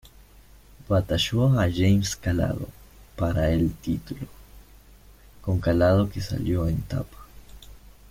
Batalló a James Calado para el título, con Calado que salió en tapa.